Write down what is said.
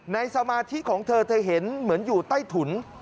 สมาธิของเธอเธอเห็นเหมือนอยู่ใต้ถุน